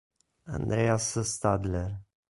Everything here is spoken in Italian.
Andreas Stadler